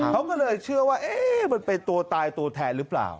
เขาก็เลยเชื่อว่ามันเป็นตัวตายตัวแทนหรือเปล่า